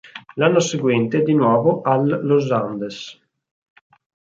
L'anno seguente è di nuovo al Los Andes.